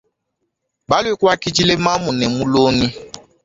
Balwe kwakidile mamu ne mulongi.